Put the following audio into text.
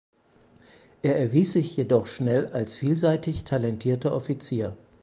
Er erwies sich jedoch schnell als vielseitig talentierter Offizier.